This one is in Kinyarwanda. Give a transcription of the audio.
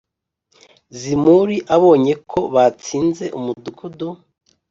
Zimuri abonye ko batsinze umudugudu